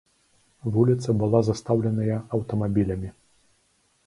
Вуліца была застаўленая аўтамабілямі.